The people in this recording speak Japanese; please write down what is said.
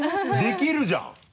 できるじゃん。